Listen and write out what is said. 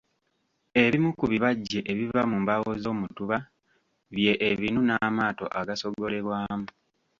Ebimu ku bibajje ebiva mu mbaawo z’omutuba bye ebinu n'amaato agasogolebwamu.